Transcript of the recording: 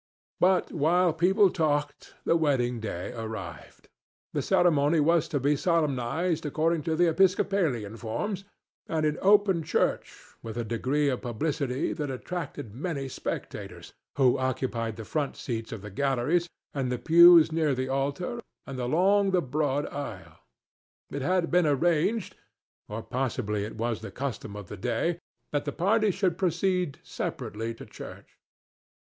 But while people talked the wedding day arrived. The ceremony was to be solemnized according to the Episcopalian forms and in open church, with a degree of publicity that attracted many spectators, who occupied the front seats of the galleries and the pews near the altar and along the broad aisle. It had been arranged, or possibly it was the custom of the day, that the parties should proceed separately to church.